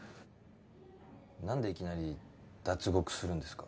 なんでいきなり脱獄するんですか？